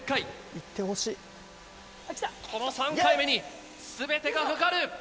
・行ってほしい・この３回目に全てが懸かる。